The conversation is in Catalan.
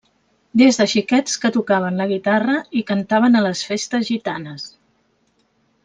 Des de xiquets que tocaven la guitarra i cantaven a les festes gitanes.